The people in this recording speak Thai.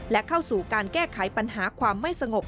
และเข้าสู่การแก้ไขปัญหาความไม่สงบ